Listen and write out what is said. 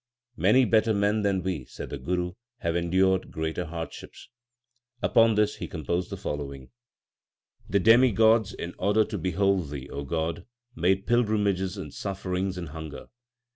Many better men than we , said the Guru, have endured greater hardships. Upon this he composed the following : The demigods in order to behold Thee, O God, made pilgrimages in sufferings and hunger.